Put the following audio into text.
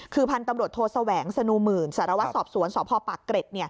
คือพันธุ์ตำรวจโทแสวงสนูหมื่นสารวัตรสอบสวนสพปากเกร็ด